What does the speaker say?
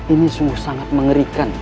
ini sungguh sangat mengerikan